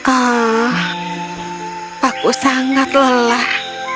oh aku sangat lelah